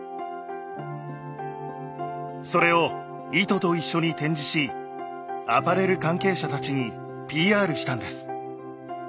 それを糸と一緒に展示しアパレル関係者たちにＰＲしたんです。